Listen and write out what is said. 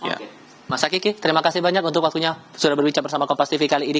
ya mas hakiki terima kasih banyak untuk waktunya sudah berbicara bersama kompas tv kali ini